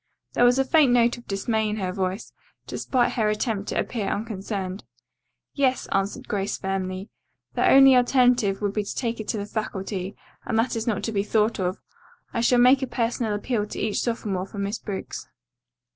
There was a faint note of dismay in her voice, despite her attempt to appear unconcerned. "Yes," answered Grace firmly. "The only alternative would be to take it to the faculty, and that is not to be thought of. I shall make a personal appeal to each sophomore for Miss Briggs."